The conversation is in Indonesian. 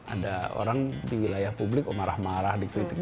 ada orang di wilayah publik oh marah marah dikritik